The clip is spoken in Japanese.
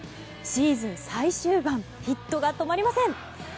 シーズン最終盤ヒットが止まりません！